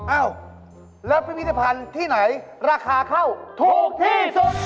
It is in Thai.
อ้าวแล้วพิพิธภัณฑ์ที่ไหนราคาเข้าถูกที่สุด